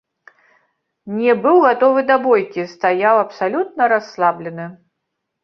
Не быў гатовы да бойкі, стаяў абсалютна расслаблены.